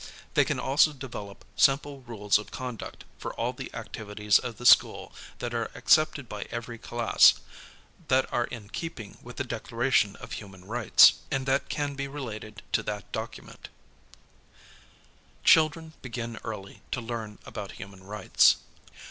They can also develop simple rules of conduct for all the activities of the school that are accepted by every class, that are in keeping with the Declaration of Human Rights, and that can be related to that document. Courtesy, United Nations Children begin early to learn about Human Rights.